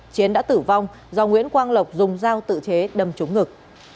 chiến đã tử vong do nguyễn quang lộc dùng dao tự chế đâm trúng ngực